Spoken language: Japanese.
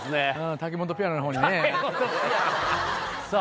タケモトピアノのほうにねさあ